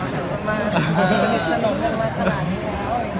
มีโครงการทุกทีใช่ไหม